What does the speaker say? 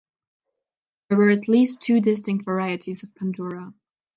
There were at least two distinct varieties of pandura.